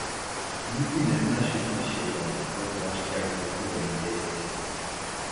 Никой не знаеше от нашия план, който аз щях да турям в действие.